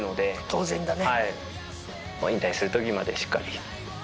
当然だね。